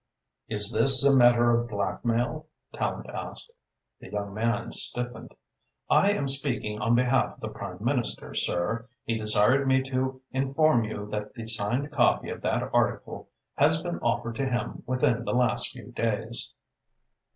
"Is this a matter of blackmail?" Tallente asked. The young man stiffened. "I am speaking on behalf of the Prime Minister, sir. He desired me to inform you that the signed copy of that article has been offered to him within the last few days."